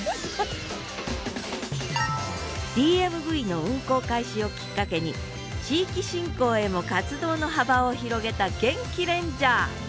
ＤＭＶの運行開始をきっかけに地域振興へも活動の幅を広げたゲンキレンジャー。